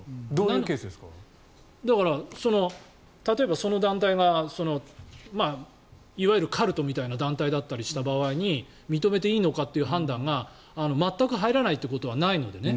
だから、例えばその団体がいわゆるカルトみたいな団体だったりした場合に認めていいのかという判断が全く入らないということはないので。